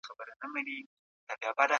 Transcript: که حضوري تمرين وسي مهارت عملي کيږي.